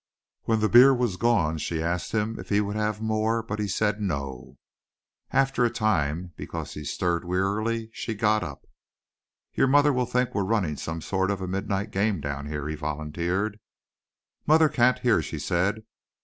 When the beer was gone she asked him if he would have more but he said no. After a time because he stirred wearily, she got up. "Your mother will think we're running some sort of a midnight game down here," he volunteered. "Mother can't hear," she said.